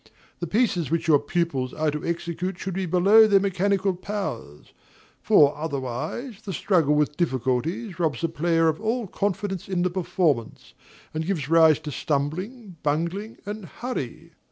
The pieces which your pupils are to execute should be below their mechanical powers; for, otherwise, the struggle with difficulties robs the player of all confidence in the performance, and gives rise to stumbling, bungling, and hurry.